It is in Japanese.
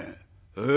ええ！